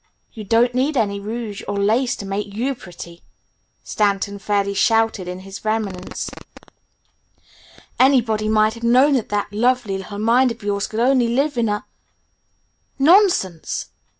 "You don't need any rouge or lace to make you pretty!" Stanton fairly shouted in his vehemence. "Anybody might have known that that lovely, little mind of yours could only live in a " "Nonsense!"